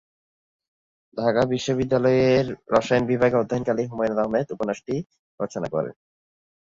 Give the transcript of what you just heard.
ঢাকা বিশ্ববিদ্যালয়ে রসায়ন বিভাগে অধ্যয়নকালে হুমায়ূন আহমেদ উপন্যাসটি রচনা করেন।